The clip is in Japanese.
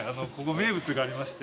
名物がありまして。